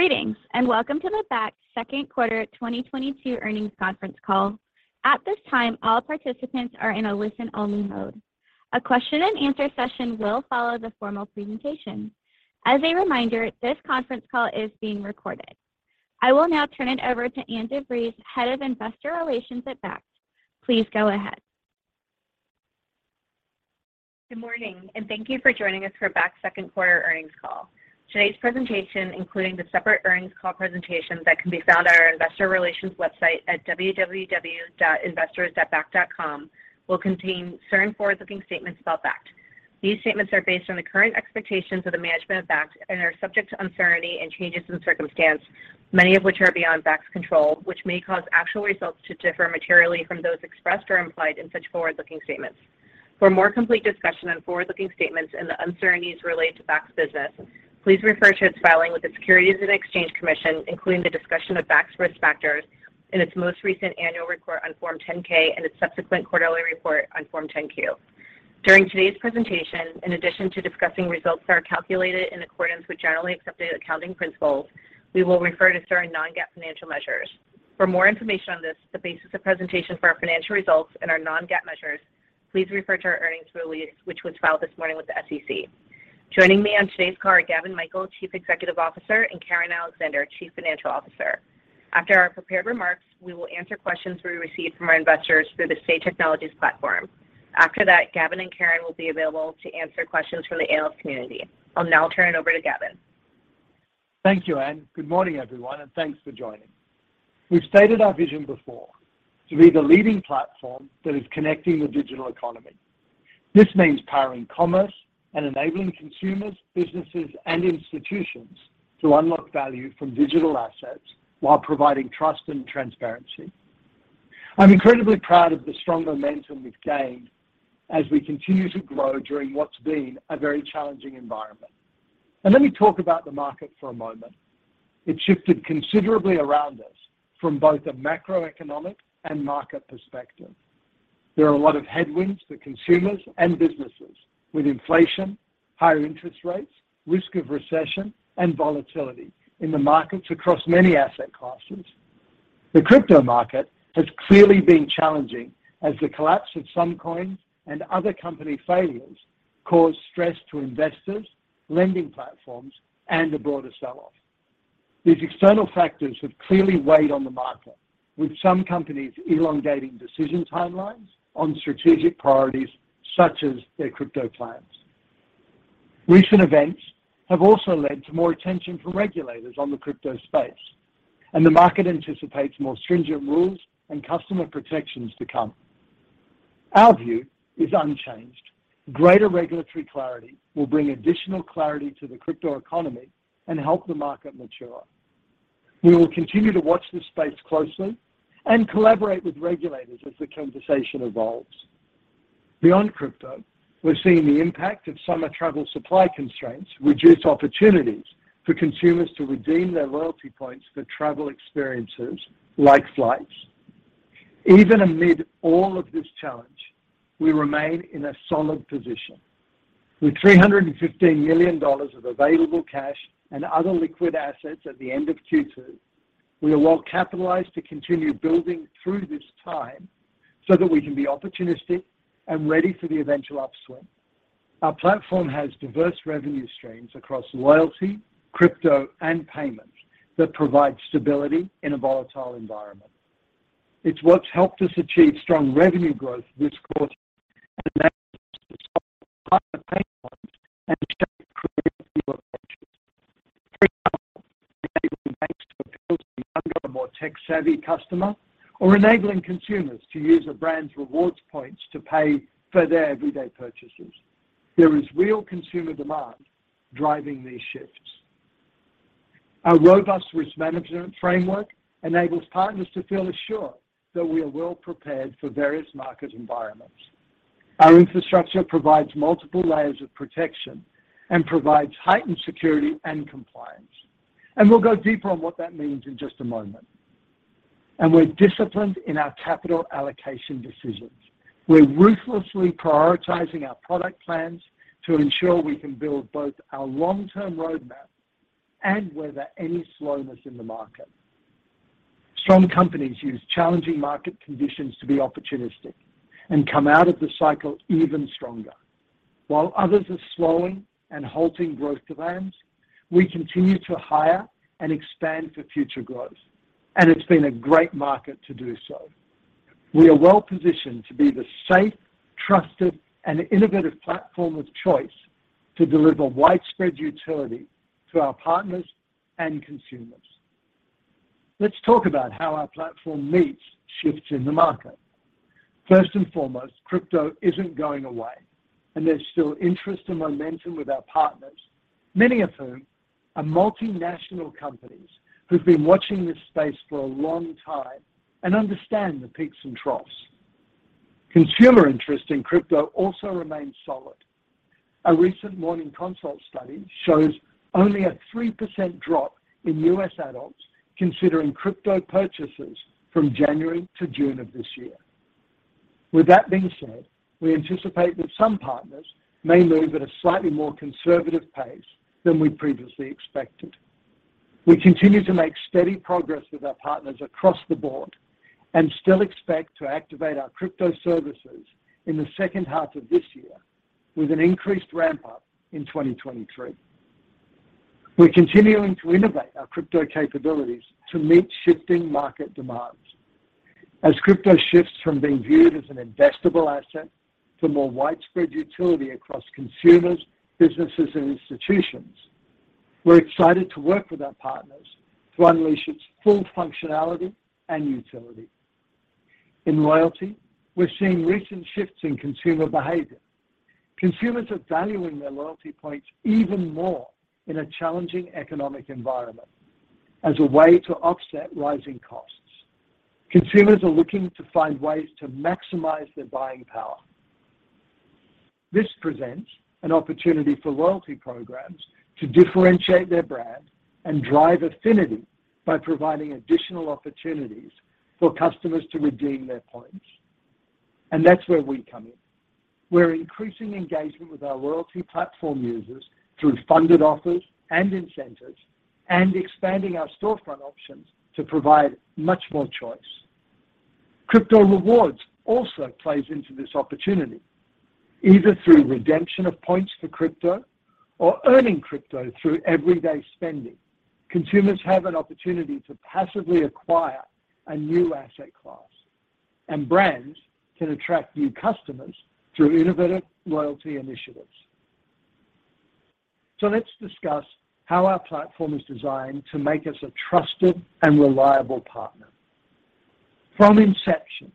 Greetings, and welcome to the Bakkt Q2 2022 earnings conference call. At this time, all participants are in a listen-only mode. A question and answer session will follow the formal presentation. As a reminder, this conference call is being recorded. I will now turn it over to Ann DeVries, Head of Investor Relations at Bakkt. Please go ahead. Good morning, and thank you for joining us for Bakkt's Q2 earnings call. Today's presentation, including the separate earnings call presentation that can be found on our investor relations website at www.investors.bakkt.com, will contain certain forward-looking statements about Bakkt. These statements are based on the current expectations of the management of Bakkt and are subject to uncertainty and changes in circumstance, many of which are beyond Bakkt's control, which may cause actual results to differ materially from those expressed or implied in such forward-looking statements. For a more complete discussion on forward-looking statements and the uncertainties related to Bakkt's business, please refer to its filing with the Securities and Exchange Commission, including the discussion of Bakkt's risk factors in its most recent annual report on Form 10-K and its subsequent quarterly report on Form 10-Q. During today's presentation, in addition to discussing results that are calculated in accordance with generally accepted accounting principles, we will refer to certain non-GAAP financial measures. For more information on this, the basis of presentation for our financial results and our non-GAAP measures, please refer to our earnings release, which was filed this morning with the SEC. Joining me on today's call are Gavin Michael, Chief Executive Officer, and Karen Alexander, Chief Financial Officer. After our prepared remarks, we will answer questions we received from our investors through the Say Technologies platform. After that, Gavin and Karen will be available to answer questions from the analyst community. I'll now turn it over to Gavin. Thank you, Ann. Good morning, everyone, and thanks for joining. We've stated our vision before: to be the leading platform that is connecting the digital economy. This means powering commerce and enabling consumers, businesses, and institutions to unlock value from digital assets while providing trust and transparency. I'm incredibly proud of the strong momentum we've gained as we continue to grow during what's been a very challenging environment. Let me talk about the market for a moment. It shifted considerably around us from both a macroeconomic and market perspective. There are a lot of headwinds for consumers and businesses with inflation, higher interest rates, risk of recession, and volatility in the markets across many asset classes. The crypto market has clearly been challenging as the collapse of some coins and other company failures caused stress to investors, lending platforms, and a broader sell-off. These external factors have clearly weighed on the market, with some companies elongating decision timelines on strategic priorities such as their crypto plans. Recent events have also led to more attention from regulators on the crypto space, and the market anticipates more stringent rules and customer protections to come. Our view is unchanged. Greater regulatory clarity will bring additional clarity to the crypto economy and help the market mature. We will continue to watch this space closely and collaborate with regulators as the conversation evolves. Beyond crypto, we're seeing the impact of summer travel supply constraints reduce opportunities for consumers to redeem their loyalty points for travel experiences like flights. Even amid all of this challenge, we remain in a solid position. With $315 million of available cash and other liquid assets at the end of Q2, we are well-capitalized to continue building through this time so that we can be opportunistic and ready for the eventual upswing. Our platform has diverse revenue streams across loyalty, crypto, and payment that provide stability in a volatile environment. It's what's helped us achieve strong revenue growth this quarter and enabled us to solve partner pain points and shape creative new approaches. For example, enabling banks to appeal to a younger or more tech-savvy customer or enabling consumers to use a brand's rewards points to pay for their everyday purchases. There is real consumer demand driving these shifts. Our robust risk management framework enables partners to feel assured that we are well prepared for various market environments. Our infrastructure provides multiple layers of protection and provides heightened security and compliance. We'll go deeper on what that means in just a moment. We're disciplined in our capital allocation decisions. We're ruthlessly prioritizing our product plans to ensure we can build both our long-term roadmap and weather any slowness in the market. Strong companies use challenging market conditions to be opportunistic and come out of the cycle even stronger. While others are slowing and halting growth plans, we continue to hire and expand for future growth, and it's been a great market to do so. We are well positioned to be the safe, trusted, and innovative platform of choice to deliver widespread utility to our partners and consumers. Let's talk about how our platform meets shifts in the market. First and foremost, crypto isn't going away, and there's still interest and momentum with our partners, many of whom are multinational companies who've been watching this space for a long time and understand the peaks and troughs. Consumer interest in crypto also remains solid. A recent Morning Consult study shows only a 3% drop in U.S. adults considering crypto purchases from January to June of this year. With that being said, we anticipate that some partners may move at a slightly more conservative pace than we previously expected. We continue to make steady progress with our partners across the board and still expect to activate our crypto services in the second half of this year with an increased ramp up in 2023. We're continuing to innovate our crypto capabilities to meet shifting market demands. As crypto shifts from being viewed as an investable asset to more widespread utility across consumers, businesses, and institutions, we're excited to work with our partners to unleash its full functionality and utility. In loyalty, we're seeing recent shifts in consumer behavior. Consumers are valuing their loyalty points even more in a challenging economic environment as a way to offset rising costs. Consumers are looking to find ways to maximize their buying power. This presents an opportunity for loyalty programs to differentiate their brand and drive affinity by providing additional opportunities for customers to redeem their points. That's where we come in. We're increasing engagement with our loyalty platform users through funded offers and incentives and expanding our storefront options to provide much more choice. Crypto rewards also plays into this opportunity. Either through redemption of points for crypto or earning crypto through everyday spending, consumers have an opportunity to passively acquire a new asset class, and brands can attract new customers through innovative loyalty initiatives. Let's discuss how our platform is designed to make us a trusted and reliable partner. From inception,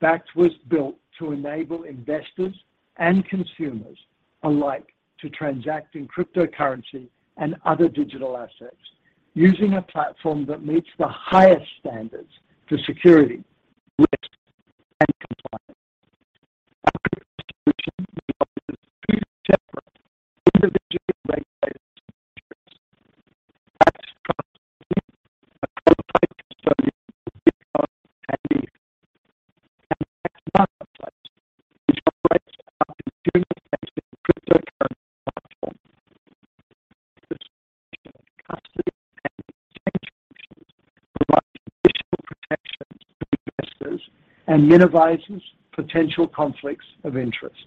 Bakkt was built to enable investors and consumers alike to transact in cryptocurrency and other digital assets using a platform that meets the highest standards for security, risk, and compliance. Our crypto solution leverages two separate individually regulated entities. Bakkt Trust Company, a qualified custodian for Bitcoin and Ether. Bakkt Marketplace, which operates our consumer-facing cryptocurrency platform. The separation of custody and exchange functions provides additional protections to investors and minimizes potential conflicts of interest.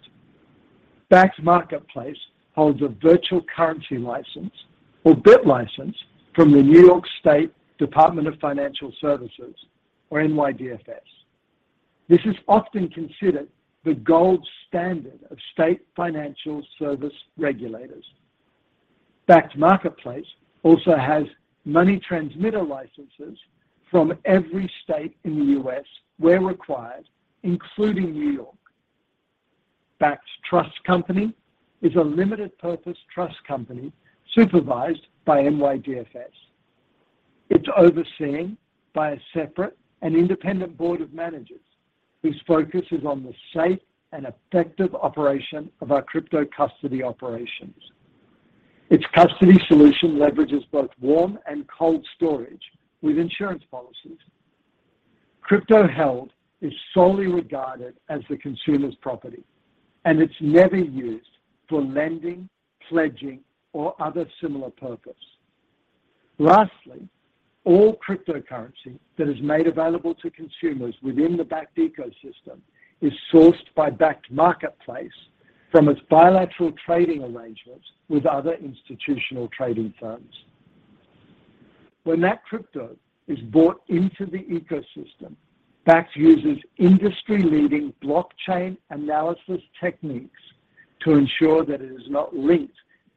Bakkt Marketplace holds a virtual currency license or BitLicense from the New York State Department of Financial Services or NYDFS. This is often considered the gold standard of state financial service regulators. Bakkt Marketplace also has money transmitter licenses from every state in the U.S. where required, including New York. Bakkt Trust Company is a limited purpose trust company supervised by NYDFS. It's overseen by a separate and independent board of managers whose focus is on the safe and effective operation of our crypto custody operations. Its custody solution leverages both warm and cold storage with insurance policies. Crypto held is solely regarded as the consumer's property, and it's never used for lending, pledging, or other similar purpose. Lastly, all cryptocurrency that is made available to consumers within the Bakkt ecosystem is sourced by Bakkt Marketplace from its bilateral trading arrangements with other institutional trading firms. When that crypto is brought into the ecosystem, Bakkt uses industry-leading blockchain analysis techniques to ensure that it is not linked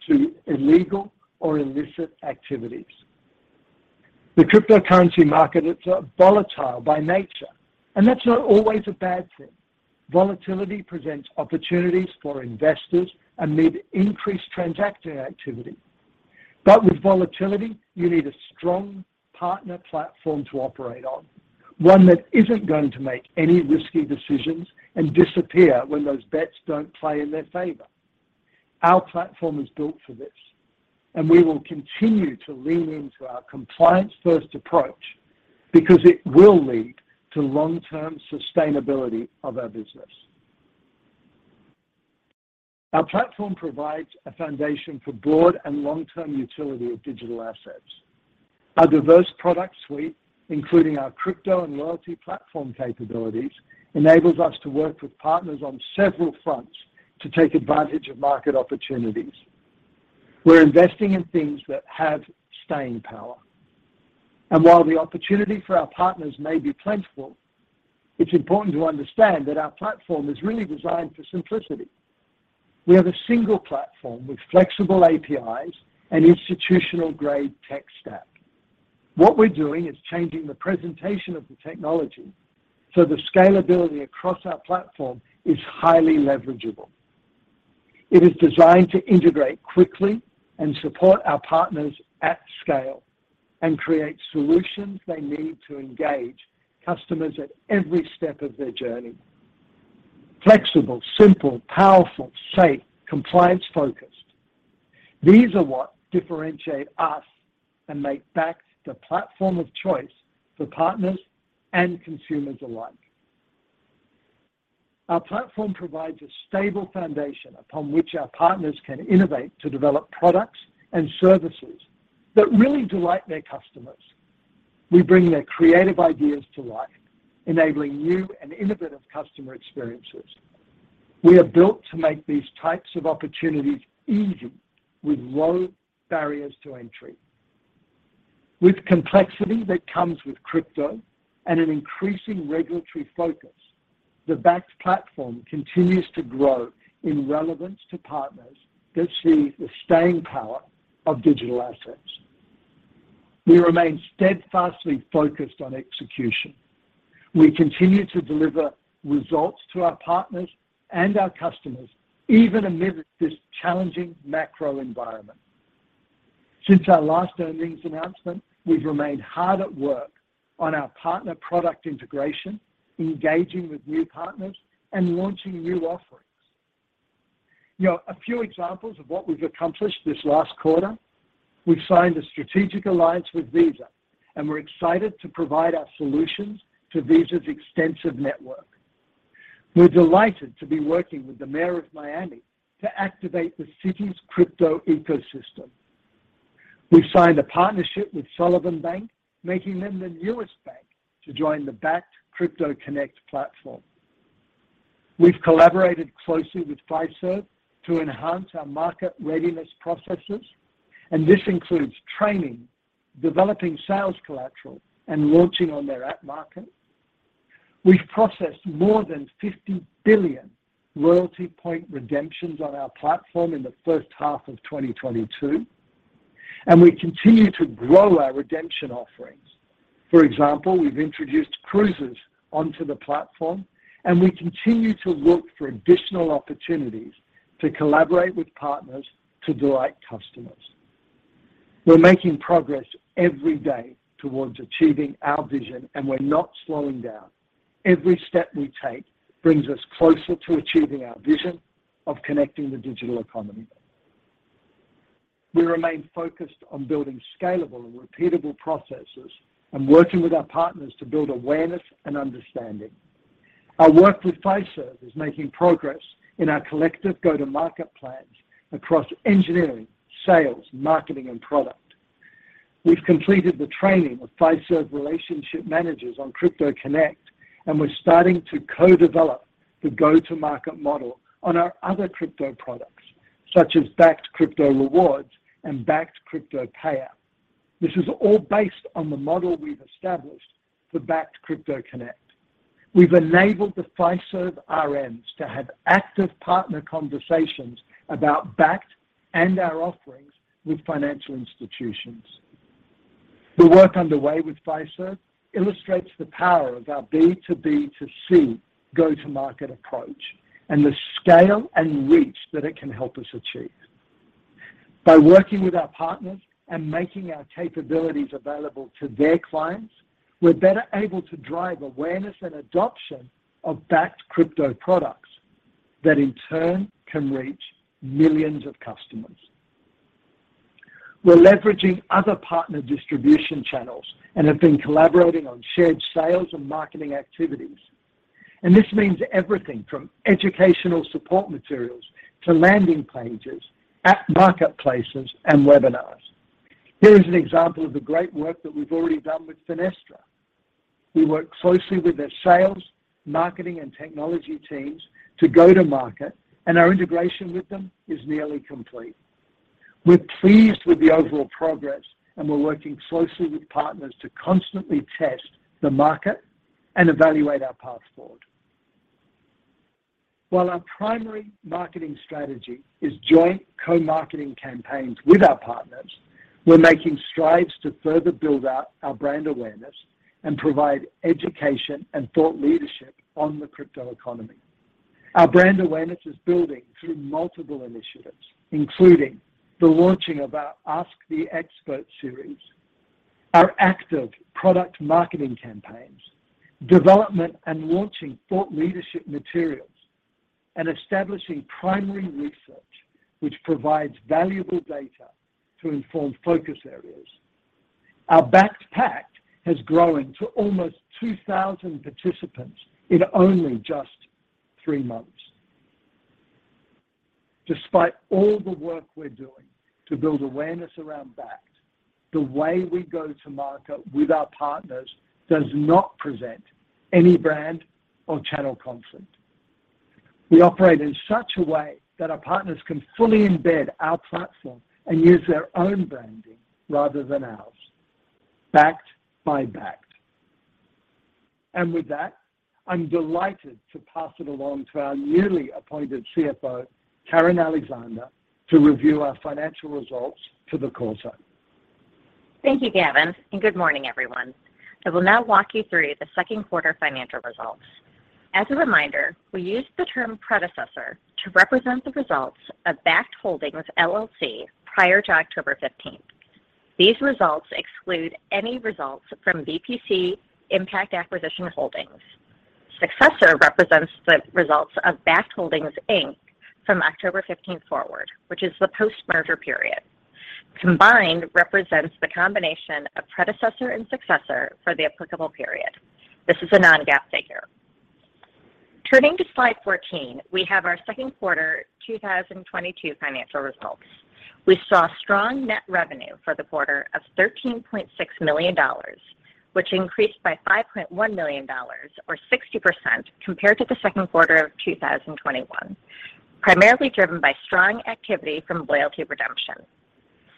to illegal or illicit activities. The cryptocurrency market is volatile by nature, and that's not always a bad thing. Volatility presents opportunities for investors amid increased transacting activity. But with volatility, you need a strong partner platform to operate on, one that isn't going to make any risky decisions and disappear when those bets don't play in their favor. Our platform is built for this, and we will continue to lean into our compliance-first approach because it will lead to long-term sustainability of our business. Our platform provides a foundation for broad and long-term utility of digital assets. Our diverse product suite, including our crypto and loyalty platform capabilities, enables us to work with partners on several fronts to take advantage of market opportunities. We're investing in things that have staying power. While the opportunity for our partners may be plentiful, it's important to understand that our platform is really designed for simplicity. We have a single platform with flexible APIs and institutional-grade tech stack. What we're doing is changing the presentation of the technology, so the scalability across our platform is highly leverageable. It is designed to integrate quickly and support our partners at scale and create solutions they need to engage customers at every step of their journey. Flexible, simple, powerful, safe, compliance-focused. These are what differentiate us and make Bakkt the platform of choice for partners and consumers alike. Our platform provides a stable foundation upon which our partners can innovate to develop products and services that really delight their customers. We bring their creative ideas to life, enabling new and innovative customer experiences. We are built to make these types of opportunities easy with low barriers to entry. With complexity that comes with crypto and an increasing regulatory focus, the Bakkt platform continues to grow in relevance to partners that see the staying power of digital assets. We remain steadfastly focused on execution. We continue to deliver results to our partners and our customers, even amid this challenging macro environment. Since our last earnings announcement, we've remained hard at work on our partner product integration, engaging with new partners, and launching new offerings. You know, a few examples of what we've accomplished this last quarter, we've signed a strategic alliance with Visa, and we're excited to provide our solutions to Visa's extensive network. We're delighted to be working with the Mayor of Miami to activate the city's crypto ecosystem. We've signed a partnership with Sullivan Bank, making them the newest bank to join the Bakkt Crypto Connect platform. We've collaborated closely with Fiserv to enhance our market readiness processes, and this includes training, developing sales collateral, and launching on their app market. We've processed more than 50 billion loyalty point redemptions on our platform in the first half of 2022, and we continue to grow our redemption offerings. For example, we've introduced cruises onto the platform, and we continue to look for additional opportunities to collaborate with partners to delight customers. We're making progress every day towards achieving our vision, and we're not slowing down. Every step we take brings us closer to achieving our vision of connecting the digital economy. We remain focused on building scalable and repeatable processes and working with our partners to build awareness and understanding. Our work with Fiserv is making progress in our collective go-to-market plans across engineering, sales, marketing, and product. We've completed the training of Fiserv relationship managers on Bakkt Crypto Connect, and we're starting to co-develop the go-to-market model on our other crypto products, such as Bakkt Crypto Rewards and Bakkt Crypto Payout. This is all based on the model we've established for Bakkt Crypto Connect. We've enabled the Fiserv RMs to have active partner conversations about Bakkt and our offerings with financial institutions. The work underway with Fiserv illustrates the power of our B2B2C go-to-market approach and the scale and reach that it can help us achieve. By working with our partners and making our capabilities available to their clients, we're better able to drive awareness and adoption of Bakkt crypto products that in turn can reach millions of customers. We're leveraging other partner distribution channels and have been collaborating on shared sales and marketing activities. This means everything from educational support materials to landing pages, app marketplace and webinars. Here is an example of the great work that we've already done with Finastra. We work closely with their sales, marketing, and technology teams to go to market, and our integration with them is nearly complete. We're pleased with the overall progress, and we're working closely with partners to constantly test the market and evaluate our path forward. While our primary marketing strategy is joint co-marketing campaigns with our partners, we're making strides to further build out our brand awareness and provide education and thought leadership on the crypto economy. Our brand awareness is building through multiple initiatives, including the launching of our Ask the Expert series, our active product marketing campaigns, development and launching thought leadership materials, and establishing primary research which provides valuable data to inform focus areas. Our Bakkt Pact has grown to almost 2,000 participants in only just three months. Despite all the work we're doing to build awareness around Bakkt, the way we go to market with our partners does not present any brand or channel conflict. We operate in such a way that our partners can fully embed our platform and use their own branding rather than ours. Bakkt by Bakkt. With that, I'm delighted to pass it along to our newly appointed CFO, Karen Alexander, to review our financial results for the quarter. Thank you, Gavin, and good morning, everyone. I will now walk you through the Q2 financial results. As a reminder, we use the term predecessor to represent the results of Bakkt Holdings, LLC prior to October 15th. These results exclude any results from VPC Impact Acquisition Holdings. Successor represents the results of Bakkt Holdings, Inc. from October 15th forward, which is the post-merger period. Combined represents the combination of predecessor and successor for the applicable period. This is a non-GAAP figure. Turning to slide 14, we have our Q2 2022 financial results. We saw strong net revenue for the quarter of $13.6 million, which increased by $5.1 million or 60% compared to the Q2 of 2021, primarily driven by strong activity from loyalty redemption.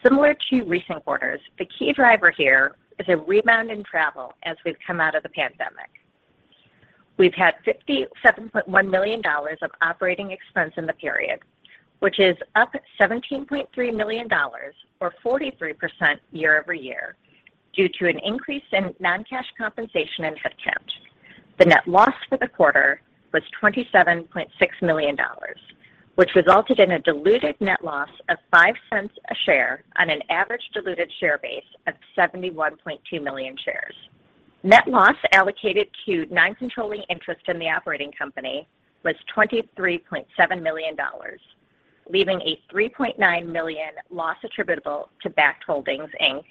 Similar to recent quarters, the key driver here is a rebound in travel as we've come out of the pandemic. We've had $57.1 million of operating expense in the period, which is up $17.3 million or 43% year-over-year due to an increase in non-cash compensation and headcount. The net loss for the quarter was $27.6 million, which resulted in a diluted net loss of $0.05 per share on an average diluted share base of 71.2 million shares. Net loss allocated to non-controlling interest in the operating company was $23.7 million, leaving a $3.9 million loss attributable to Bakkt Holdings, Inc.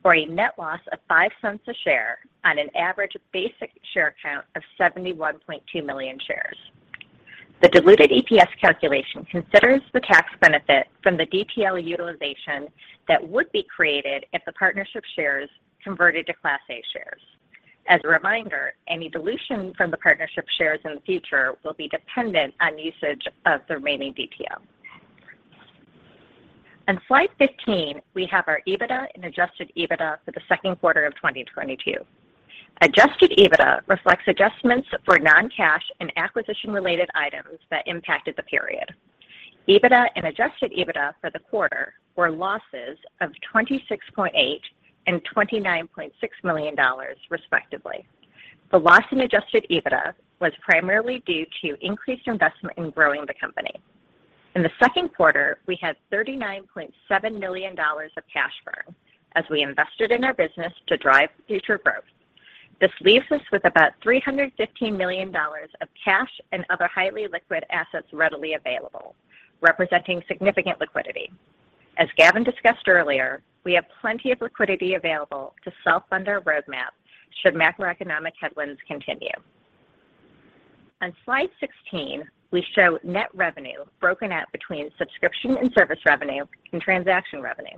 for a net loss of $0.05 per share on an average basic share count of 71.2 million shares. The diluted EPS calculation considers the tax benefit from the DTL utilization that would be created if the partnership shares converted to Class A shares. As a reminder, any dilution from the partnership shares in the future will be dependent on usage of the remaining DTL. On slide 15, we have our EBITDA and adjusted EBITDA for the Q2 of 2022. Adjusted EBITDA reflects adjustments for non-cash and acquisition-related items that impacted the period. EBITDA and adjusted EBITDA for the quarter were losses of $26.8 million and $29.6 million, respectively. The loss in adjusted EBITDA was primarily due to increased investment in growing the company. In the Q2, we had $39.7 million of cash burn as we invested in our business to drive future growth. This leaves us with about $315 million of cash and other highly liquid assets readily available, representing significant liquidity. As Gavin discussed earlier, we have plenty of liquidity available to self-fund our roadmap should macroeconomic headwinds continue. On slide 16, we show net revenue broken out between subscription and service revenue and transaction revenue.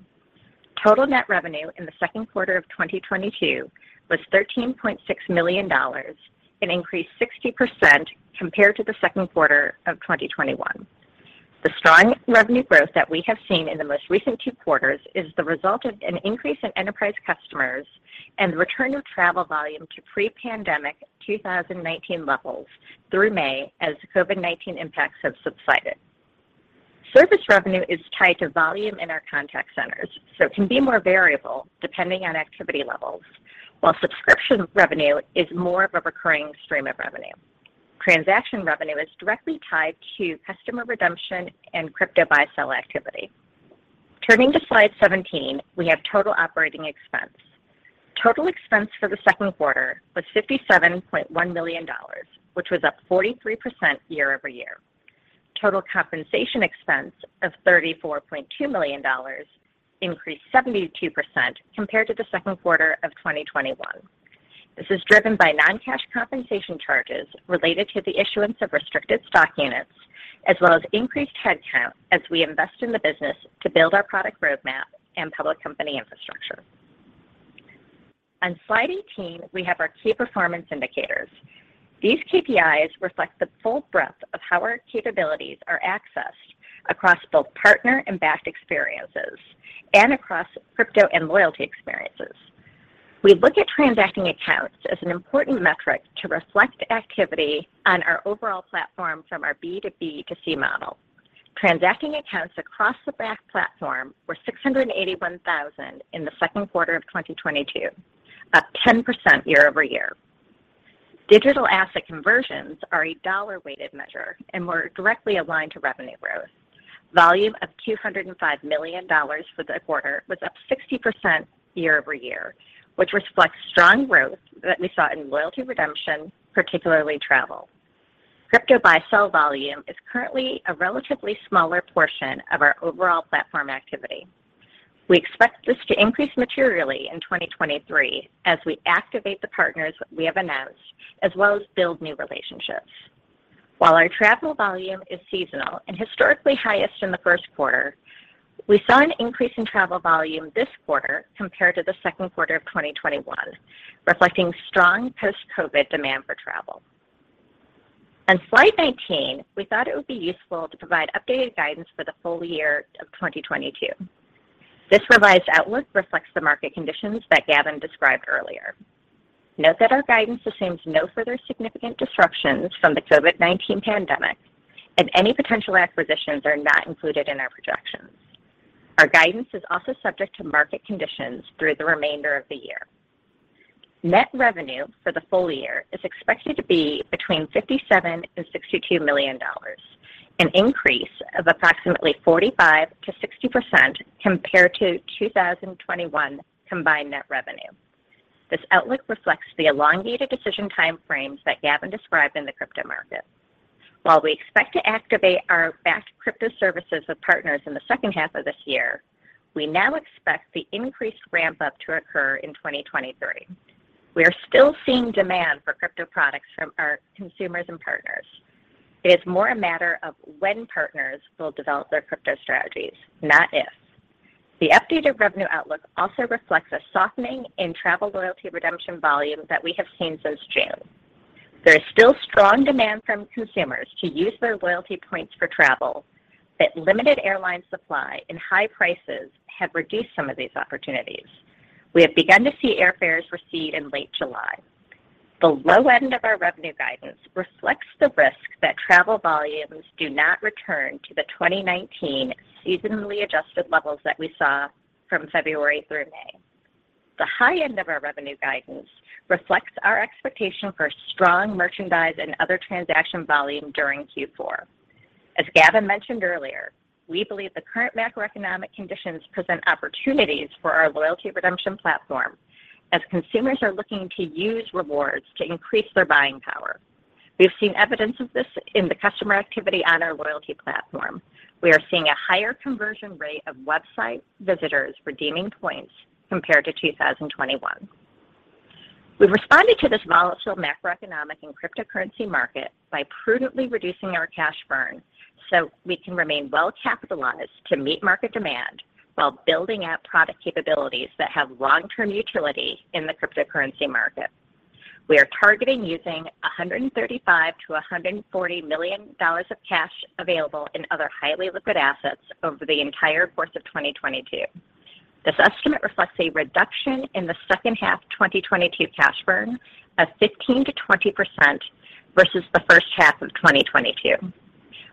Total net revenue in the Q2 of 2022 was $13.6 million, an increase of 60% compared to the Q2 of 2021. The strong revenue growth that we have seen in the most recent two quarters is the result of an increase in enterprise customers and the return of travel volume to pre-pandemic 2019 levels through May as COVID-19 impacts have subsided. Service revenue is tied to volume in our contact centers, so it can be more variable depending on activity levels, while subscription revenue is more of a recurring stream of revenue. Transaction revenue is directly tied to customer redemption and crypto buy-sell activity. Turning to slide 17, we have total operating expense. Total expense for the Q2 was $57.1 million, which was up 43% year-over-year. Total compensation expense of $34.2 million increased 72% compared to the Q2 of 2021. This is driven by non-cash compensation charges related to the issuance of restricted stock units, as well as increased headcount as we invest in the business to build our product roadmap and public company infrastructure. On slide 18, we have our key performance indicators. These KPIs reflect the full breadth of how our capabilities are accessed across both partner and Bakkt experiences and across crypto and loyalty experiences. We look at transacting accounts as an important metric to reflect activity on our overall platform from our B2B2C model. Transacting accounts across the Bakkt platform were 681,000 in the Q2 of 2022, up 10% year-over-year. Digital asset conversions are a dollar-weighted measure and were directly aligned to revenue growth. Volume of $205 million for the quarter was up 60% year-over-year, which reflects strong growth that we saw in loyalty redemption, particularly travel. Crypto buy-sell volume is currently a relatively smaller portion of our overall platform activity. We expect this to increase materially in 2023 as we activate the partners we have announced, as well as build new relationships. While our travel volume is seasonal and historically highest in the first quarter, we saw an increase in travel volume this quarter compared to the Q2 of 2021, reflecting strong post-COVID demand for travel. On slide 19, we thought it would be useful to provide updated guidance for the full year of 2022. This revised outlook reflects the market conditions that Gavin described earlier. Note that our guidance assumes no further significant disruptions from the COVID-19 pandemic, and any potential acquisitions are not included in our projections. Our guidance is also subject to market conditions through the remainder of the year. Net revenue for the full year is expected to be between $57 million and $62 million, an increase of approximately 45%-60% compared to 2021 combined net revenue. This outlook reflects the elongated decision time frames that Gavin described in the crypto market. While we expect to activate our Bakkt Crypto Services with partners in the second half of this year, we now expect the increased ramp-up to occur in 2023. We are still seeing demand for crypto products from our consumers and partners. It is more a matter of when partners will develop their crypto strategies, not if. The updated revenue outlook also reflects a softening in travel loyalty redemption volume that we have seen since June. There is still strong demand from consumers to use their loyalty points for travel, but limited airline supply and high prices have reduced some of these opportunities. We have begun to see airfares recede in late July. The low end of our revenue guidance reflects the risk that travel volumes do not return to the 2019 seasonally adjusted levels that we saw from February through May. The high end of our revenue guidance reflects our expectation for strong merchandise and other transaction volume during Q4. As Gavin mentioned earlier, we believe the current macroeconomic conditions present opportunities for our loyalty redemption platform as consumers are looking to use rewards to increase their buying power. We have seen evidence of this in the customer activity on our loyalty platform. We are seeing a higher conversion rate of website visitors redeeming points compared to 2021. We've responded to this volatile macroeconomic and cryptocurrency market by prudently reducing our cash burn so we can remain well-capitalized to meet market demand while building out product capabilities that have long-term utility in the cryptocurrency market. We are targeting using $135 million-$140 million of cash available in other highly liquid assets over the entire course of 2022. This estimate reflects a reduction in the second half 2022 cash burn of 15%-20% versus the first half of 2022.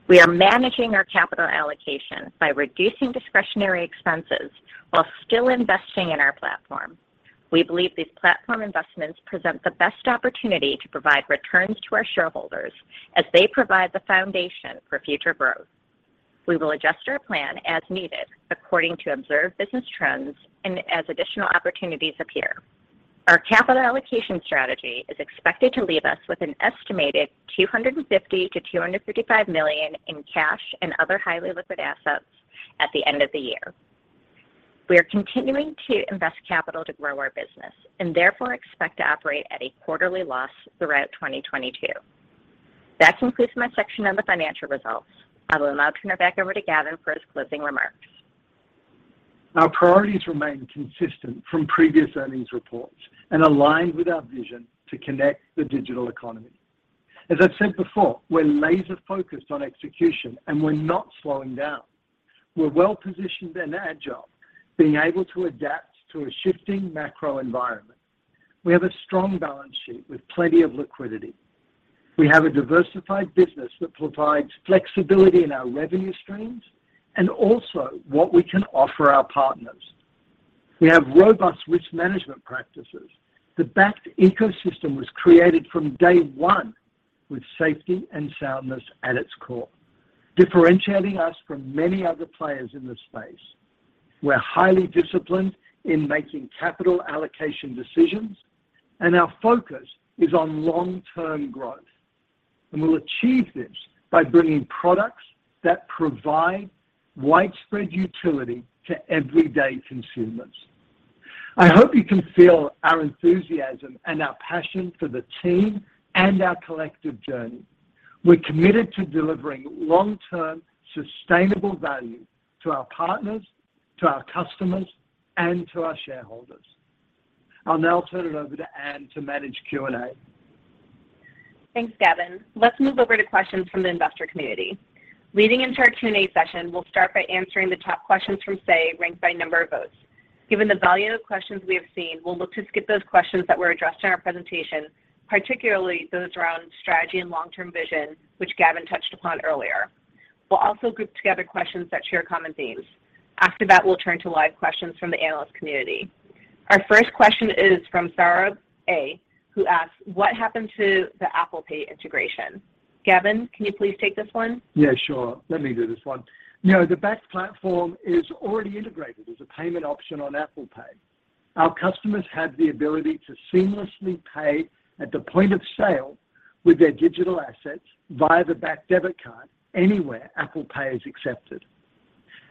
We are managing our capital allocation by reducing discretionary expenses while still investing in our platform. We believe these platform investments present the best opportunity to provide returns to our shareholders as they provide the foundation for future growth. We will adjust our plan as needed according to observed business trends and as additional opportunities appear. Our capital allocation strategy is expected to leave us with an estimated $250 million-$235 million in cash and other highly liquid assets at the end of the year. We are continuing to invest capital to grow our business and therefore expect to operate at a quarterly loss throughout 2022. That concludes my section on the financial results. I will now turn it back over to Gavin for his closing remarks. Our priorities remain consistent from previous earnings reports and aligned with our vision to connect the digital economy. As I've said before, we're laser-focused on execution, and we're not slowing down. We're well-positioned and agile, being able to adapt to a shifting macro environment. We have a strong balance sheet with plenty of liquidity. We have a diversified business that provides flexibility in our revenue streams and also what we can offer our partners. We have robust risk management practices. The Bakkt ecosystem was created from day one with safety and soundness at its core, differentiating us from many other players in this space. We're highly disciplined in making capital allocation decisions, and our focus is on long-term growth. We'll achieve this by bringing products that provide widespread utility to everyday consumers. I hope you can feel our enthusiasm and our passion for the team and our collective journey. We're committed to delivering long-term, sustainable value to our partners, to our customers, and to our shareholders. I'll now turn it over to Ann to manage Q&A. Thanks, Gavin. Let's move over to questions from the investor community. Leading into our Q&A session, we'll start by answering the top questions from SAY ranked by number of votes. Given the volume of questions we have seen, we'll look to skip those questions that were addressed in our presentation, particularly those around strategy and long-term vision, which Gavin touched upon earlier. We'll also group together questions that share common themes. After that, we'll turn to live questions from the analyst community. Our first question is from Sarah A., who asks, "What happened to the Apple Pay integration?" Gavin, can you please take this one? Yeah, sure. Let me do this one. You know, the Bakkt platform is already integrated as a payment option on Apple Pay. Our customers have the ability to seamlessly pay at the point of sale with their digital assets via the Bakkt Card anywhere Apple Pay is accepted.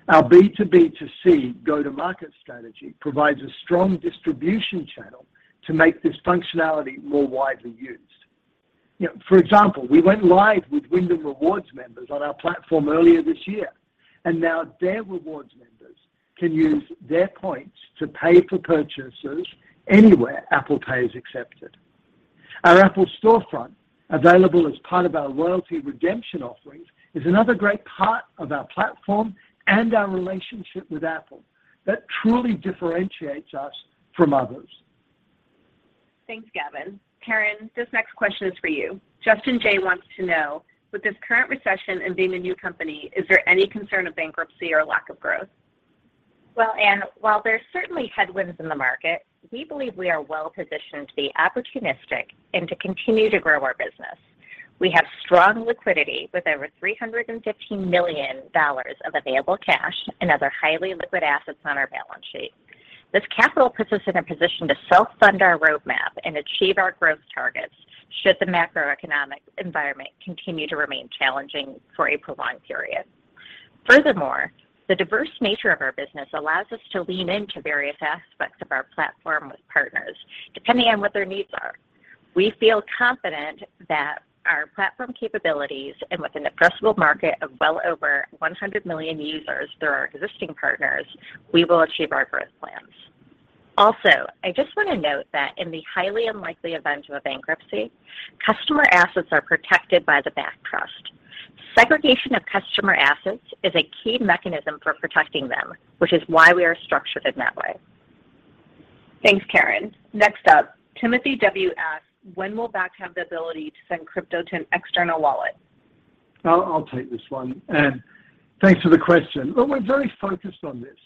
Our B2B2C go-to-market strategy provides a strong distribution channel to make this functionality more widely used. You know, for example, we went live with Wyndham Rewards members on our platform earlier this year, and now their rewards members can use their points to pay for purchases anywhere Apple Pay is accepted. Our Apple storefront, available as part of our loyalty redemption offerings, is another great part of our platform and our relationship with Apple that truly differentiates us from others. Thanks, Gavin. Karen, this next question is for you. Justin J. wants to know, with this current recession and being a new company, is there any concern of bankruptcy or lack of growth? Well, Ann, while there are certainly headwinds in the market, we believe we are well positioned to be opportunistic and to continue to grow our business. We have strong liquidity with over $315 million of available cash and other highly liquid assets on our balance sheet. This capital puts us in a position to self-fund our roadmap and achieve our growth targets should the macroeconomic environment continue to remain challenging for a prolonged period. Furthermore, the diverse nature of our business allows us to lean into various aspects of our platform with partners depending on what their needs are. We feel confident that our platform capabilities and with an addressable market of well over 100 million users through our existing partners, we will achieve our growth plans. Also, I just wanna note that in the highly unlikely event of a bankruptcy, customer assets are protected by the Bakkt trust. Segregation of customer assets is a key mechanism for protecting them, which is why we are structured in that way. Thanks, Karen. Next up, Timothy W. asks, "When will Bakkt have the ability to send crypto to an external wallet? I'll take this one. Thanks for the question. Look, we're very focused on this.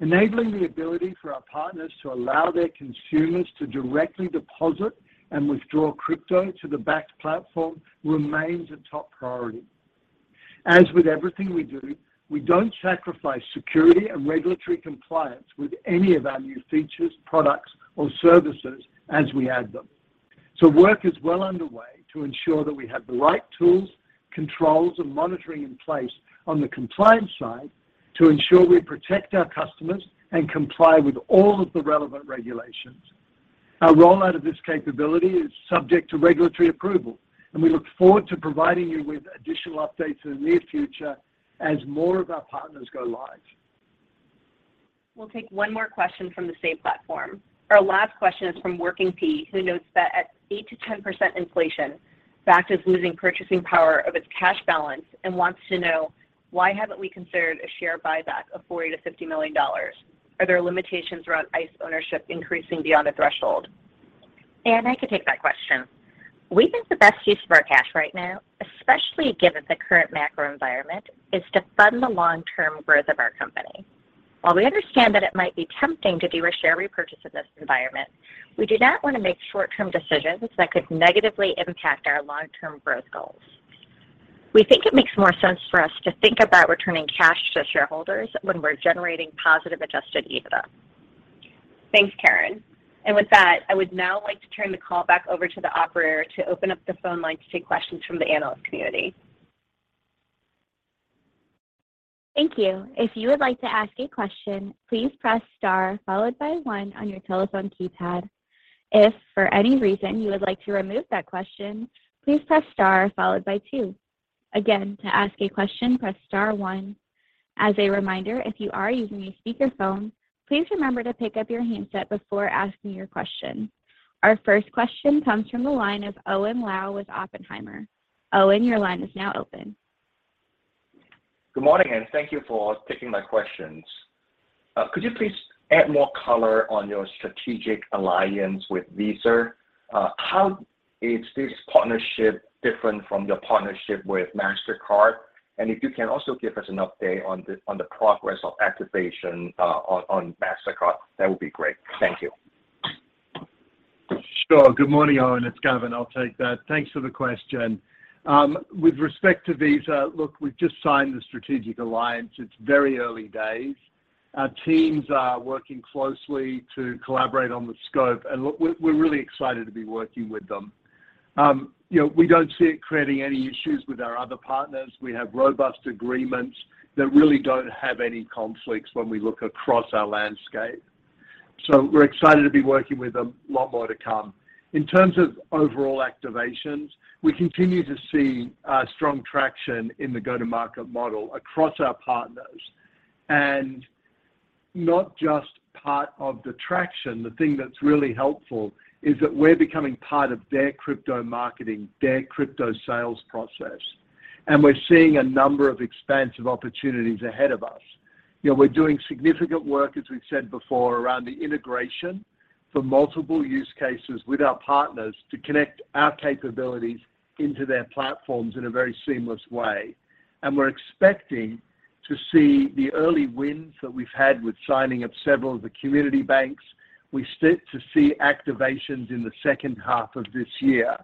Enabling the ability for our partners to allow their consumers to directly deposit and withdraw crypto to the Bakkt platform remains a top priority. As with everything we do, we don't sacrifice security and regulatory compliance with any of our new features, products, or services as we add them. Work is well underway to ensure that we have the right tools, controls, and monitoring in place on the compliance side to ensure we protect our customers and comply with all of the relevant regulations. Our rollout of this capability is subject to regulatory approval, and we look forward to providing you with additional updates in the near future as more of our partners go live. We'll take one more question from the same platform. Our last question is from Working P, who notes that at 8%-10% inflation, Bakkt is losing purchasing power of its cash balance and wants to know why haven't we considered a share buyback of $40 million-$50 million. Are there limitations around ICE ownership increasing beyond a threshold? Ann, I can take that question. We think the best use of our cash right now, especially given the current macro environment, is to fund the long-term growth of our company. While we understand that it might be tempting to do a share repurchase in this environment, we do not wanna make short-term decisions that could negatively impact our long-term growth goals. We think it makes more sense for us to think about returning cash to shareholders when we're generating positive adjusted EBITDA. Thanks, Karen. With that, I would now like to turn the call back over to the operator to open up the phone line to take questions from the analyst community. Thank you. If you would like to ask a question, please press star followed by one on your telephone keypad. If for any reason you would like to remove that question, please press star followed by two. Again, to ask a question, press star one. As a reminder, if you are using a speakerphone, please remember to pick up your handset before asking your question. Our first question comes from the line of Owen Lau with Oppenheimer. Owen, your line is now open. Good morning, and thank you for taking my questions. Could you please add more color on your strategic alliance with Visa? How is this partnership different from your partnership with Mastercard? If you can also give us an update on the progress of activation on Mastercard, that would be great. Thank you. Sure. Good morning, Owen. It's Gavin. I'll take that. Thanks for the question. With respect to Visa, look, we've just signed the strategic alliance. It's very early days. Our teams are working closely to collaborate on the scope, and look, we're really excited to be working with them. You know, we don't see it creating any issues with our other partners. We have robust agreements that really don't have any conflicts when we look across our landscape. We're excited to be working with them. Lot more to come. In terms of overall activations, we continue to see strong traction in the go-to-market model across our partners. Not just part of the traction, the thing that's really helpful is that we're becoming part of their crypto marketing, their crypto sales process, and we're seeing a number of expansive opportunities ahead of us. You know, we're doing significant work, as we've said before, around the integration for multiple use cases with our partners to connect our capabilities into their platforms in a very seamless way. We're expecting to see the early wins that we've had with signing up several of the community banks. We start to see activations in the second half of this year,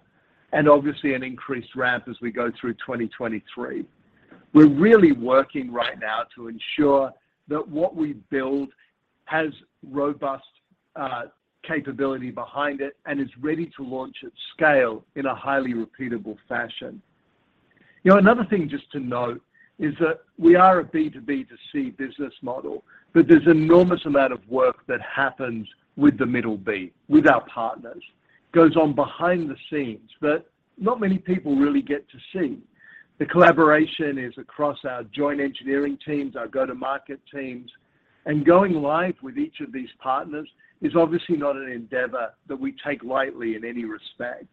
and obviously an increased ramp as we go through 2023. We're really working right now to ensure that what we build has robust capability behind it and is ready to launch at scale in a highly repeatable fashion. You know, another thing just to note is that we are a B2B2C business model, but there's enormous amount of work that happens with the middle B, with our partners, goes on behind the scenes, that not many people really get to see. The collaboration is across our joint engineering teams, our go-to-market teams, and going live with each of these partners is obviously not an endeavor that we take lightly in any respect.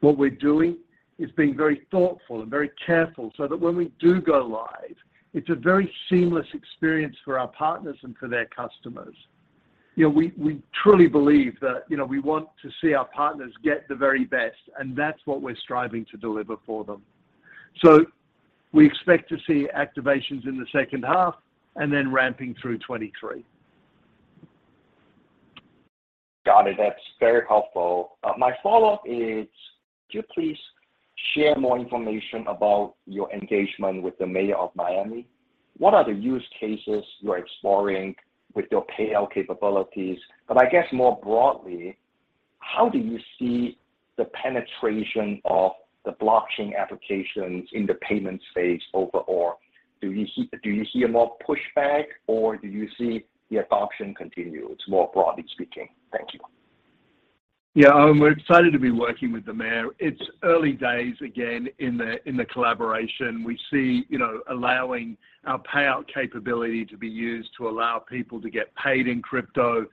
What we're doing is being very thoughtful and very careful so that when we do go live, it's a very seamless experience for our partners and for their customers. You know, we truly believe that, you know, we want to see our partners get the very best, and that's what we're striving to deliver for them. We expect to see activations in the second half and then ramping through 2023. Got it. That's very helpful. My follow-up is, could you please share more information about your engagement with the Mayor of Miami? What are the use cases you are exploring with your payout capabilities? I guess more broadly, how do you see the penetration of the blockchain applications in the payment space overall? Do you hear more pushback, or do you see the adoption continue? It's more broadly speaking. Thank you. Yeah. We're excited to be working with the mayor. It's early days, again, in the collaboration. We see, you know, allowing our payout capability to be used to allow people to get paid in crypto.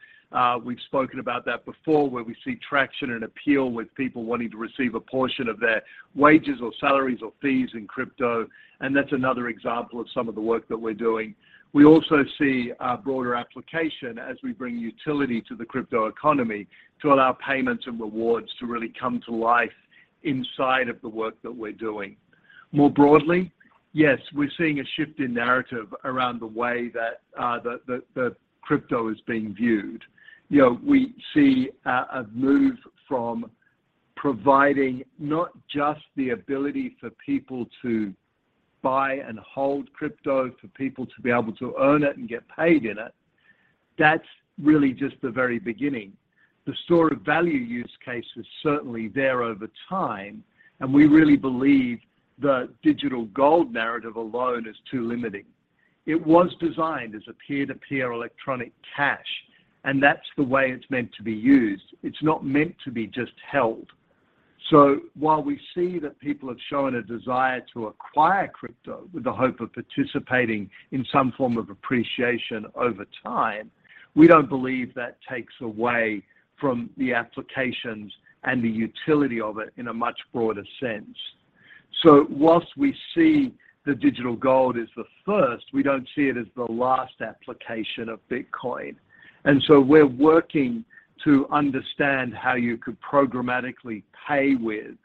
We've spoken about that before, where we see traction and appeal with people wanting to receive a portion of their wages or salaries or fees in crypto, and that's another example of some of the work that we're doing. We also see a broader application as we bring utility to the crypto economy to allow payments and rewards to really come to life inside of the work that we're doing. More broadly, yes, we're seeing a shift in narrative around the way that the crypto is being viewed. You know, we see a move from providing not just the ability for people to buy and hold crypto, for people to be able to earn it and get paid in it. That's really just the very beginning. The store of value use case is certainly there over time, and we really believe the digital gold narrative alone is too limiting. It was designed as a peer-to-peer electronic cash, and that's the way it's meant to be used. It's not meant to be just held. While we see that people have shown a desire to acquire crypto with the hope of participating in some form of appreciation over time, we don't believe that takes away from the applications and the utility of it in a much broader sense. While we see the digital gold as the first, we don't see it as the last application of Bitcoin. We're working to understand how you could programmatically pay with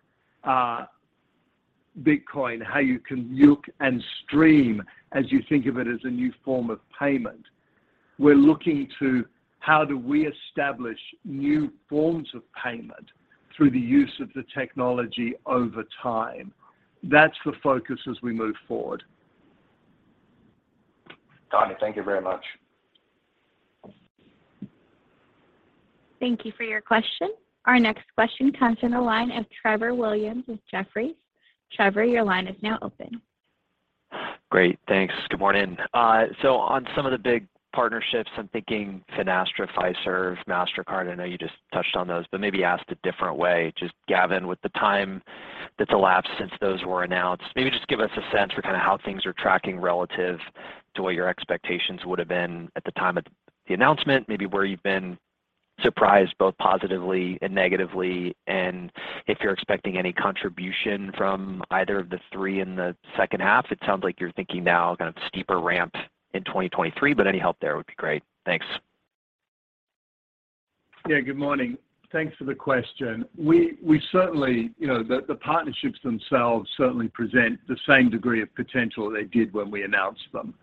Bitcoin, how you can look and stream as you think of it as a new form of payment. We're looking to how do we establish new forms of payment through the use of the technology over time? That's the focus as we move forward. Got it. Thank you very much. Thank you for your question. Our next question comes from the line of Trevor Williams with Jefferies. Trevor, your line is now open. Great. Thanks. Good morning. On some of the big partnerships, I'm thinking Finastra, Fiserv, Mastercard, I know you just touched on those, but maybe asked a different way. Just Gavin, with the time that's elapsed since those were announced, maybe just give us a sense for kinda how things are tracking relative to what your expectations would have been at the time of the announcement, maybe where you've been surprised both positively and negatively, and if you're expecting any contribution from either of the three in the second half. It sounds like you're thinking now kind of steeper ramp in 2023, but any help there would be great. Thanks. Good morning. Thanks for the question. We certainly, you know, the partnerships themselves certainly present the same degree of potential they did when we announced them.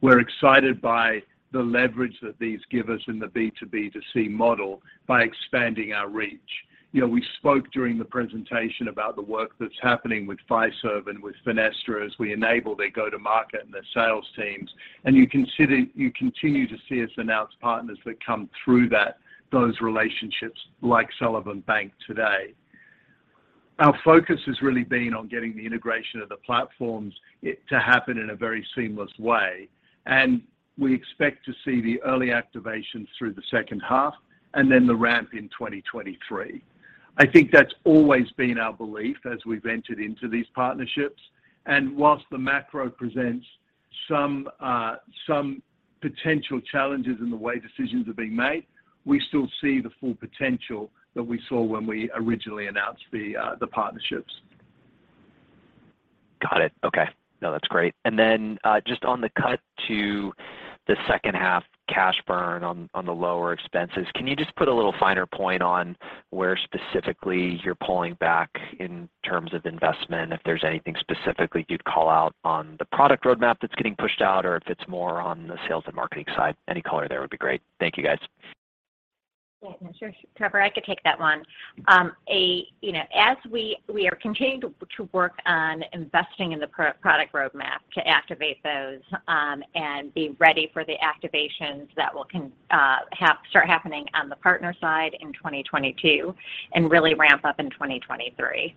We're excited by the leverage that these give us in the B2B2C model by expanding our reach. You know, we spoke during the presentation about the work that's happening with Fiserv and with Finastra as we enable their go-to-market and their sales teams. You can see you continue to see us announce partners that come through those relationships like Sullivan Bank today. Our focus has really been on getting the integration of the platforms to happen in a very seamless way, and we expect to see the early activations through the second half and then the ramp in 2023. I think that's always been our belief as we've entered into these partnerships. While the macro presents some potential challenges in the way decisions are being made, we still see the full potential that we saw when we originally announced the partnerships. Got it. Okay. No, that's great. Then, just on the cut to the second half cash burn on the lower expenses, can you just put a little finer point on where specifically you're pulling back in terms of investment, if there's anything specifically you'd call out on the product roadmap that's getting pushed out, or if it's more on the sales and marketing side? Any color there would be great. Thank you, guys. Yeah. Sure, Trevor. I could take that one. You know, as we are continuing to work on investing in the product roadmap to activate those, and be ready for the activations that will start happening on the partner side in 2022 and really ramp up in 2023.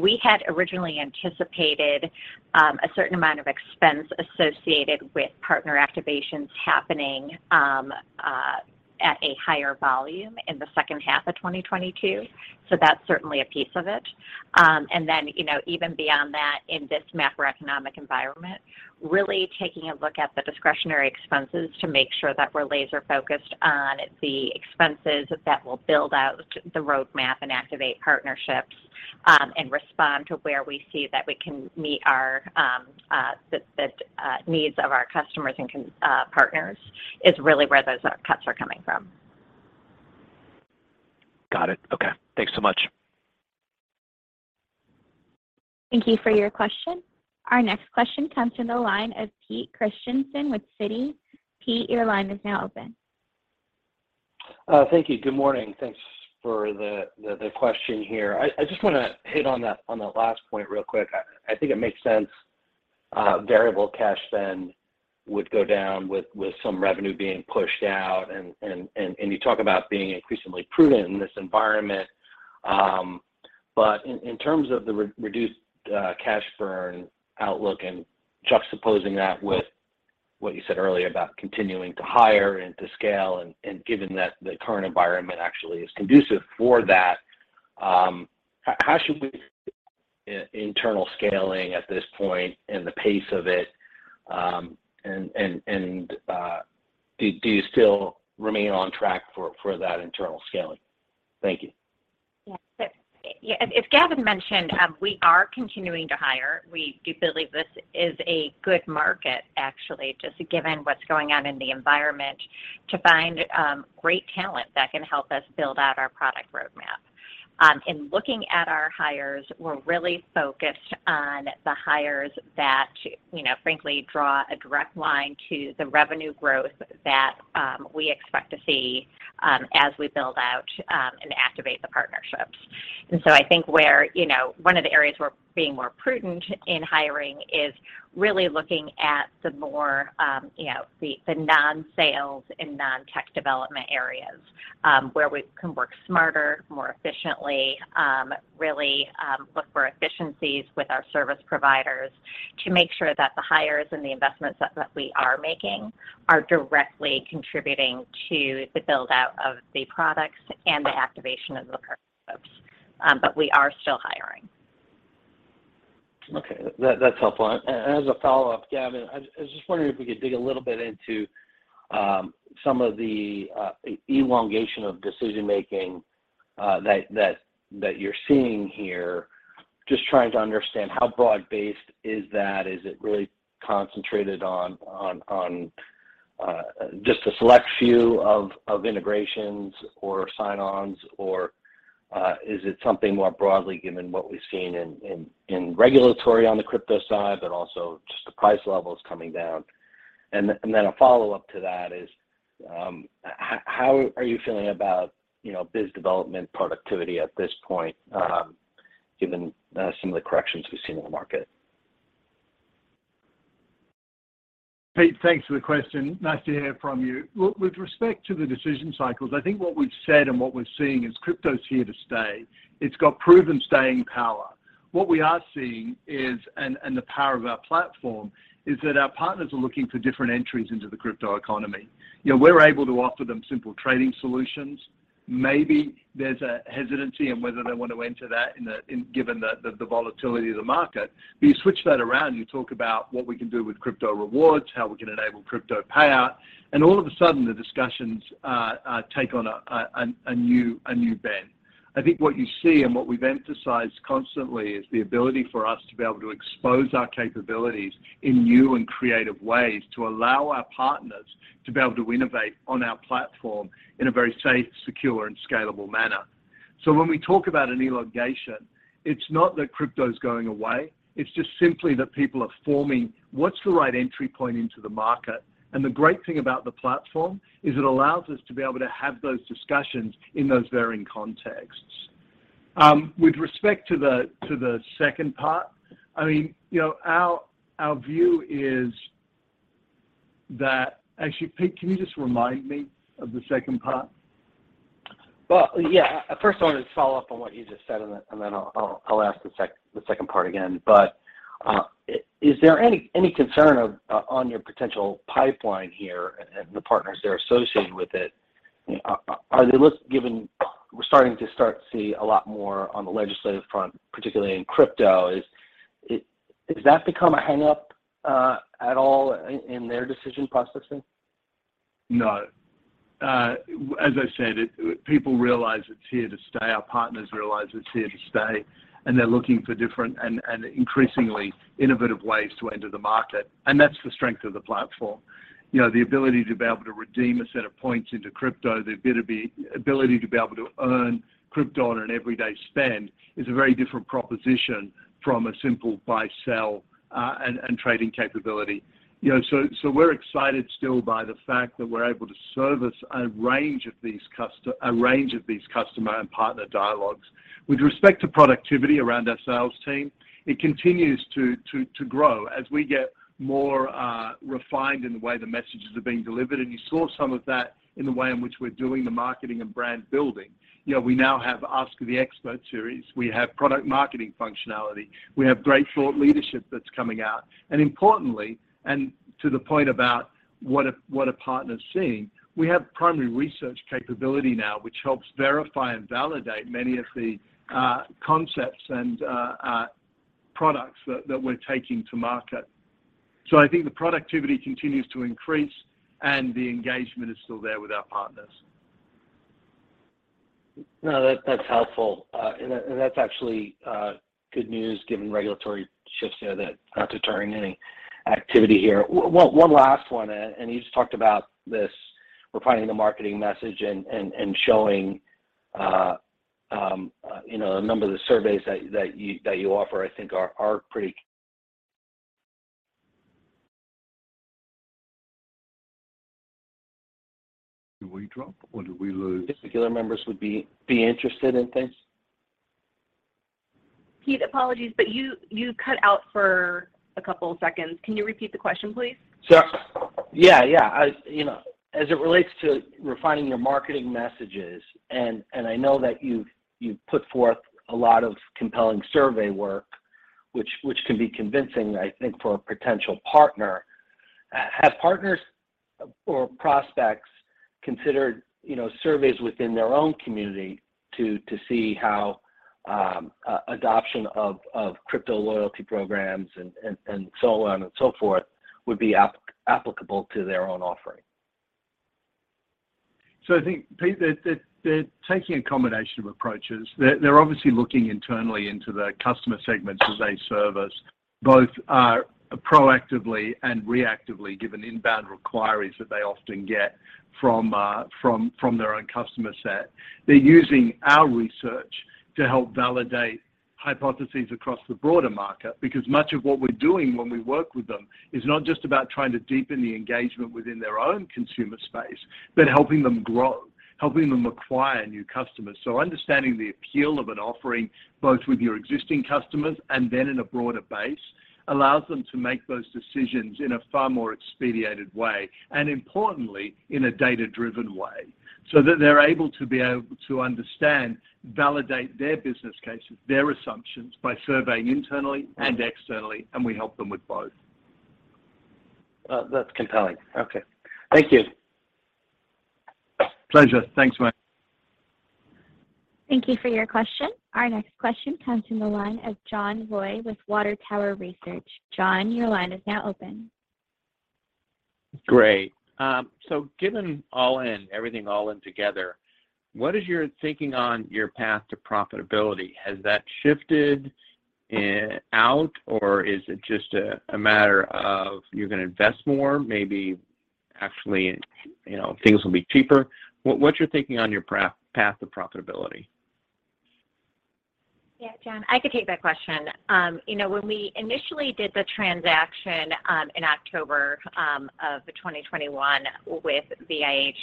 We had originally anticipated a certain amount of expense associated with partner activations happening at a higher volume in the second half of 2022, so that's certainly a piece of it. you know, even beyond that, in this macroeconomic environment, really taking a look at the discretionary expenses to make sure that we're laser-focused on the expenses that will build out the roadmap and activate partnerships, and respond to where we see that we can meet the needs of our customers and partners is really where those cuts are coming from. Got it. Okay. Thanks so much. Thank you for your question. Our next question comes from the line of Peter Christiansen with Citi. Pete, your line is now open. Thank you. Good morning. Thanks for the question here. I just wanna hit on that last point real quick. I think it makes sense, variable cash then would go down with some revenue being pushed out and you talk about being increasingly prudent in this environment. In terms of the reduced cash burn outlook and juxtaposing that with what you said earlier about continuing to hire and to scale and given that the current environment actually is conducive for that, how should we view internal scaling at this point and the pace of it? Do you still remain on track for that internal scaling? Thank you. Yeah. Yeah, as Gavin mentioned, we are continuing to hire. We do believe this is a good market actually, just given what's going on in the environment to find great talent that can help us build out our product roadmap. In looking at our hires, we're really focused on the hires that, you know, frankly, draw a direct line to the revenue growth that we expect to see as we build out and activate the partnerships. I think where, you know, one of the areas we're being more prudent in hiring is really looking at the more, you know, the non-sales and non-tech development areas, where we can work smarter, more efficiently, really, look for efficiencies with our service providers to make sure that the hires and the investments that we are making are directly contributing to the build-out of the products and the activation of the partnerships. But we are still hiring. Okay. That's helpful. As a follow-up, Gavin, I was just wondering if we could dig a little bit into some of the elongation of decision-making that you're seeing here. Just trying to understand how broad-based is that. Is it really concentrated on just a select few of integrations or sign-ons, or is it something more broadly given what we've seen in regulatory on the crypto side, but also just the price levels coming down? Then a follow-up to that is how are you feeling about, you know, biz development productivity at this point, given some of the corrections we've seen in the market? Pete, thanks for the question. Nice to hear from you. Look, with respect to the decision cycles, I think what we've said and what we're seeing is crypto's here to stay. It's got proven staying power. What we are seeing is the power of our platform is that our partners are looking for different entries into the crypto economy. You know, we're able to offer them simple trading solutions. Maybe there's a hesitancy in whether they want to enter that in given the volatility of the market. You switch that around, you talk about what we can do with crypto rewards, how we can enable crypto payout, and all of a sudden the discussions take on a new bend. I think what you see and what we've emphasized constantly is the ability for us to be able to expose our capabilities in new and creative ways to allow our partners to be able to innovate on our platform in a very safe, secure, and scalable manner. When we talk about an elongation, it's not that crypto's going away, it's just simply that people are forming what's the right entry point into the market. The great thing about the platform is it allows us to be able to have those discussions in those varying contexts. With respect to the second part, I mean, you know, our view is that. Actually, Pete, can you just remind me of the second part? Well, yeah. First I wanted to follow up on what you just said and then I'll ask the second part again. Is there any concern on your potential pipeline here and the partners that are associated with it? You know, are they looking given we're starting to see a lot more on the legislative front, particularly in crypto. Does that become a hangup at all in their decision processing? No. As I said, people realize it's here to stay, our partners realize it's here to stay, and they're looking for different and increasingly innovative ways to enter the market, and that's the strength of the platform. You know, the ability to be able to redeem a set of points into crypto, the ability to be able to earn crypto on an everyday spend is a very different proposition from a simple buy, sell, and trading capability. You know, so we're excited still by the fact that we're able to service a range of these customer and partner dialogues. With respect to productivity around our sales team, it continues to grow as we get more refined in the way the messages are being delivered, and you saw some of that in the way in which we're doing the marketing and brand building. You know, we now have Ask the Expert series, we have product marketing functionality, we have great thought leadership that's coming out. Importantly, to the point about what a partner's seeing, we have primary research capability now, which helps verify and validate many of the concepts and products that we're taking to market. I think the productivity continues to increase and the engagement is still there with our partners. No, that's helpful. That's actually good news given regulatory shifts there that are not deterring any activity here. One last one, and you just talked about this refining the marketing message and showing, you know, a number of the surveys that you offer I think are pretty- Do we drop or do we lose? If particular members would be interested in things. Pete, apologies, but you cut out for a couple of seconds. Can you repeat the question, please? I, you know, as it relates to refining your marketing messages, and I know that you've put forth a lot of compelling survey work, which can be convincing, I think, for a potential partner. Have partners or prospects considered, you know, surveys within their own community to see how adoption of crypto loyalty programs and so on and so forth would be applicable to their own offering? I think, Pete, they're taking a combination of approaches. They're obviously looking internally into the customer segments that they service, both proactively and reactively, given inbound inquiries that they often get from their own customer set. They're using our research to help validate hypotheses across the broader market because much of what we're doing when we work with them is not just about trying to deepen the engagement within their own consumer space, but helping them grow, helping them acquire new customers. Understanding the appeal of an offering both with your existing customers and then in a broader base allows them to make those decisions in a far more expedited way, and importantly, in a data-driven way, so that they're able to understand, validate their business cases, their assumptions by surveying internally and externally, and we help them with both. That's compelling. Okay. Thank you. Pleasure. Thanks, mate. Thank you for your question. Our next question comes from the line of John Roy with Water Tower Research. John, your line is now open. Great. Given all in, everything all in together, what is your thinking on your path to profitability? Has that shifted out, or is it just a matter of you're gonna invest more, maybe actually, you know, things will be cheaper? What's your thinking on your path to profitability? Yeah, John, I could take that question. You know, when we initially did the transaction in October 2021 with VIH,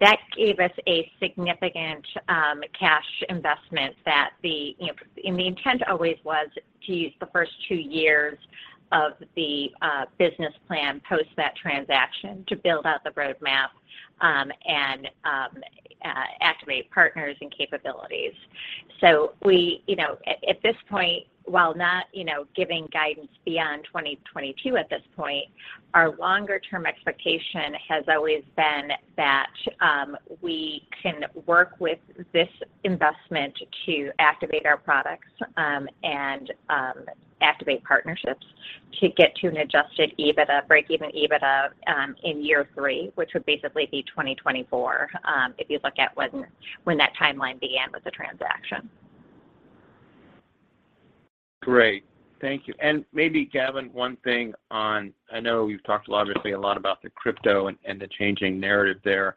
that gave us a significant cash investment that you know. The intent always was to use the first two years of the business plan post that transaction to build out the roadmap and activate partners and capabilities. We, you know, at this point, while not giving guidance beyond 2022 at this point, our longer term expectation has always been that we can work with this investment to activate our products and activate partnerships to get to an adjusted EBITDA, breakeven EBITDA in year three, which would basically be 2024, if you look at when that timeline began with the transaction. Great. Thank you. Maybe Gavin, one thing on, I know you've talked a lot, obviously, a lot about the crypto and the changing narrative there.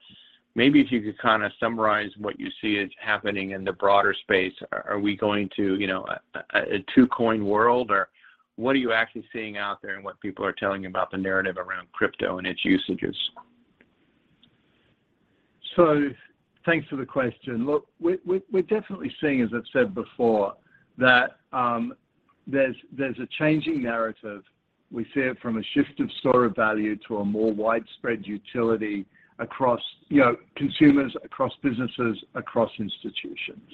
Maybe if you could kinda summarize what you see is happening in the broader space. Are we going to, you know, a two-coin world, or what are you actually seeing out there and what people are telling you about the narrative around crypto and its usages? Thanks for the question. Look, we're definitely seeing, as I've said before, that there's a changing narrative. We see it from a shift of store of value to a more widespread utility across, you know, consumers, across businesses, across institutions.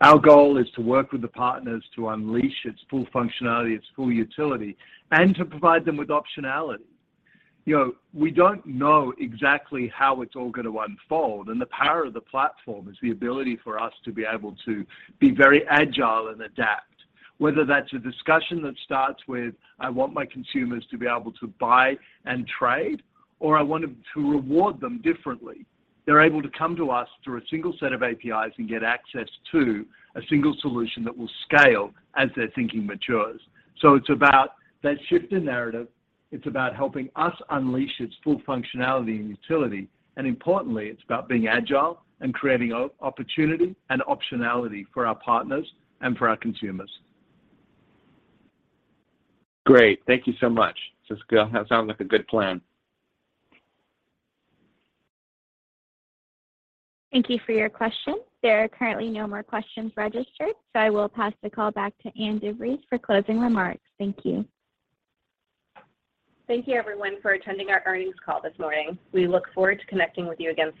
Our goal is to work with the partners to unleash its full functionality, its full utility, and to provide them with optionality. You know, we don't know exactly how it's all gonna unfold, and the power of the platform is the ability for us to be able to be very agile and adapt. Whether that's a discussion that starts with, "I want my consumers to be able to buy and trade," or, "I want to reward them differently," they're able to come to us through a single set of APIs and get access to a single solution that will scale as their thinking matures. It's about that shift in narrative. It's about helping us unleash its full functionality and utility, and importantly, it's about being agile and creating opportunity and optionality for our partners and for our consumers. Great. Thank you so much. That sounds like a good plan. Thank you for your question. There are currently no more questions registered, so I will pass the call back to Ann DeVries for closing remarks. Thank you. Thank you everyone for attending our earnings call this morning. We look forward to connecting with you again soon.